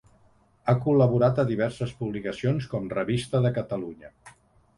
Ha col·laborat a diverses publicacions, com Revista de Catalunya.